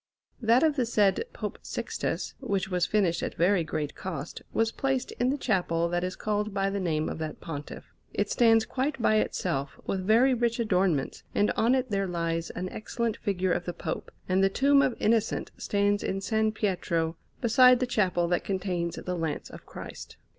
That of the said Pope Sixtus, which was finished at very great cost, was placed in the chapel that is called by the name of that Pontiff. It stands quite by itself, with very rich adornments, and on it there lies an excellent figure of the Pope; and the tomb of Innocent stands in S. Pietro, beside the chapel that contains the Lance of Christ.